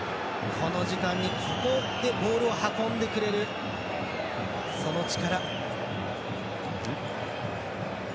この時間にここにボールを運んでくれるその力。